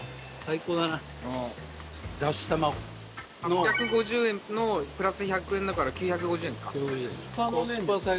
８５０円のプラス１００円だから９５０円か。